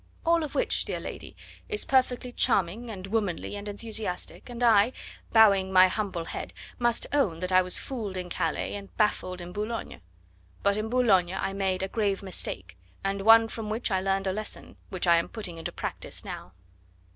All of which, dear lady, is perfectly charming and womanly and enthusiastic, and I, bowing my humble head, must own that I was fooled in Calais and baffled in Boulogne. But in Boulogne I made a grave mistake, and one from which I learned a lesson, which I am putting into practice now."